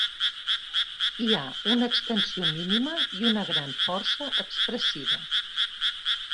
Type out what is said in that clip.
Hi ha una extensió mínima i una gran força expressiva.